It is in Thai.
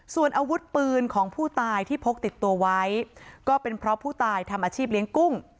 ส่วนอาวุธปืนของผู้ตายที่พกติดตัวไว้ก็เป็นเพราะผู้ตายทำอาชีพเลี้ยงกุ้ง